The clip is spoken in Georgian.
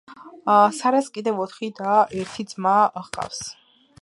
სარას კიდევ ოთხი და და ერთი ძმა ჰყავს.